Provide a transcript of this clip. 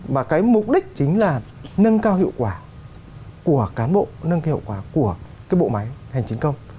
mà cái mục đích chính là nâng cao hiệu quả của cán bộ nâng cái hiệu quả của cái bộ máy hành chính công